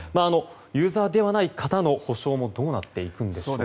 ユーザーではない方の補償もどうなっていくのでしょうか。